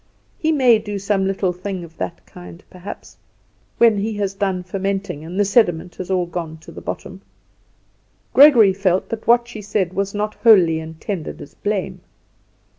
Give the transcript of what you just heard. He may do some little thing of that kind perhaps, when he has done fermenting and the sediment has all gone to the bottom." Gregory felt that what she said was not wholly intended as blame.